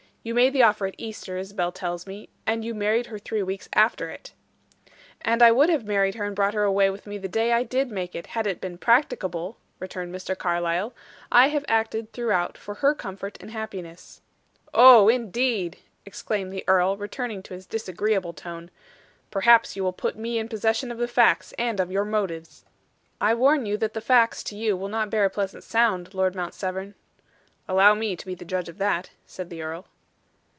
You made the offer at Easter, Isabel tells me, and you married her three weeks after it." "And I would have married her and brought her away with me the day I did make it, had it been practicable," returned Mr. Carlyle. "I have acted throughout for her comfort and happiness." "Oh, indeed!" exclaimed the earl, returning to his disagreeable tone. "Perhaps you will put me in possession of the facts, and of your motives." "I warn you that the facts to you will not bear a pleasant sound, Lord Mount Severn." "Allow me to be the judge of that," said the earl.